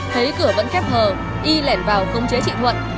thế cửa vẫn khép hờ y lẻn vào công chế chị thuận